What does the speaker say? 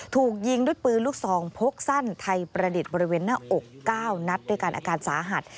ถูกยิงด้วยปืนลูกซองพกสั้นไทยประดิษฐ์บริเวณหน้าอก๙นัดด้วยกันอาการสาหัส